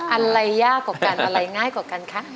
อะไรยากกว่ากันอะไรง่ายกว่ากันคะ